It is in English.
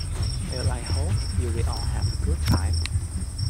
Well, I hope you will all have a good time.